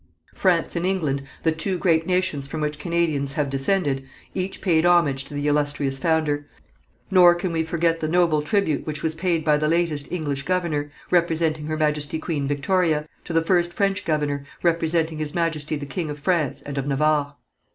France and England, the two great nations from which Canadians have descended, each paid homage to the illustrious founder; nor can we forget the noble tribute which was paid by the latest English governor, representing Her Majesty Queen Victoria, to the first French governor, representing His Majesty the King of France and of Navarre.